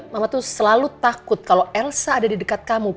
mama tuh selalu takut kalau elsa ada di dekat kamu